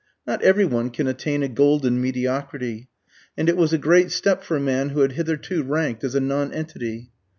Not every one can attain a golden mediocrity; and it was a great step for a man who had hitherto ranked as a nonentity.